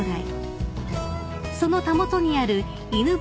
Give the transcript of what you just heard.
［そのたもとにある犬吠